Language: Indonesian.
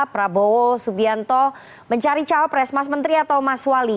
prabowo subianto mencari cawapres mas menteri atau mas wali